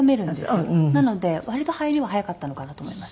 なので割と入りは早かったのかなと思います。